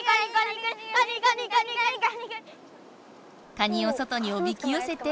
カニを外におびきよせて。